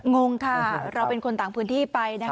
งงค่ะเราเป็นคนต่างพื้นที่ไปนะคะ